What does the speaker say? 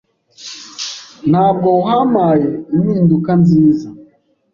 Ntabwo wampaye impinduka nziza.